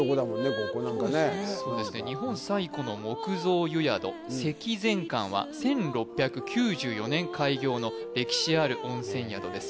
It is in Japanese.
ここ何かね日本最古の木造湯宿積善館は１６９４年開業の歴史ある温泉宿です